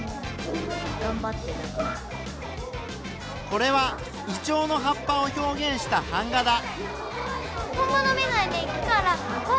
これはイチョウの葉っぱを表現した版画だ。